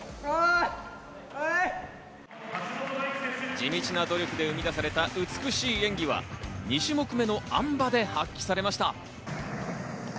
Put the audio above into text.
地道な努力で生み出された美しい演技は２種目目のあん馬で発揮されました。